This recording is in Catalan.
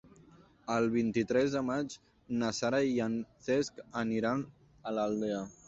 El vint-i-tres de maig na Sara i en Cesc aniran a l'Aldea.